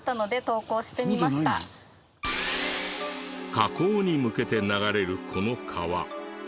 河口に向けて流れるこの川。